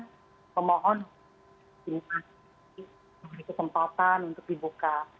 dan pemohon kita diberi kesempatan untuk dibuka